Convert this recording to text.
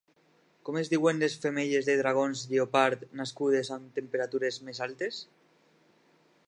Com es diuen les femelles de dragons lleopard nascudes amb temperatures més altes?